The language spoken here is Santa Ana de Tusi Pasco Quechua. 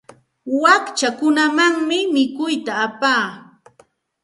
Wakchakunamanmi mikuyta apaa.